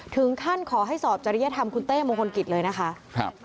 ถึงท่านขอให้สอบจริยธรรมคุณเต้มงคลกิจเลยนะคะ